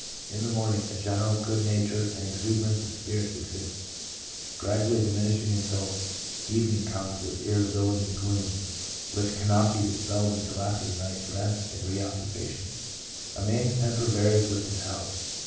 In the morning a general good nature and exuberance of spirits exists, gradually diminishing until evening comes with irritability and gloom, which cannot be dispelled until after the night's rest and recuperation. A man's temper varies with his health.